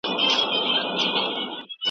ده د سوات جغرافيا وليکل